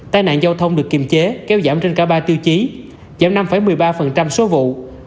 tai nạn giao thông được kiềm chế kéo giảm trên cả ba tiêu chí giảm năm một mươi ba số vụ